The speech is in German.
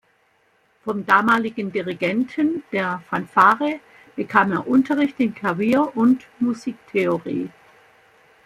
Vom damaligen Dirigenten der Fanfare bekam er Unterricht in Klavier und Musiktheorie.